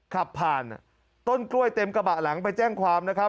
ขับผ่านต้นกล้วยเต็มกระบะหลังไปแจ้งความนะครับ